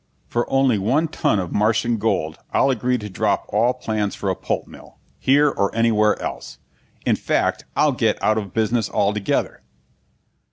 For only one ton of Martian gold I'll agree to drop all plans for a pulp mill, here or anywhere else. In fact, I'll get out of business altogether."